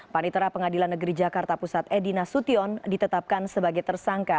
panitera pengadilan negeri jakarta pusat edi nasution ditetapkan sebagai tersangka